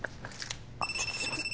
ちょっとすいません。